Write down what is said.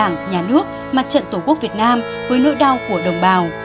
đảng nhà nước mặt trận tổ quốc việt nam với nỗi đau của đồng bào